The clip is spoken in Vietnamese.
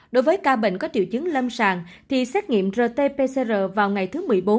đối với ca bệnh có triệu chứng lâm sàng thì xét nghiệm rt pcr vào ngày thứ một mươi bốn